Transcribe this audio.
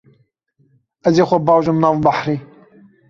Ez ê xwe bajom nav behrê.